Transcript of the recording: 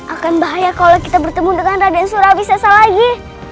akan bahaya kalau kita bertemu dengan raden surabi sasa lagi